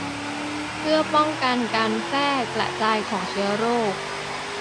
เพื่อป้องกันการแพร่กระจายของเชื้อโรค